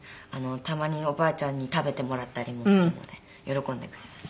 たまにおばあちゃんに食べてもらったりもするので喜んでくれます。